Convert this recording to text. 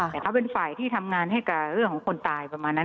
แต่เขาเป็นฝ่ายที่ทำงานให้กับเรื่องของคนตายประมาณนั้น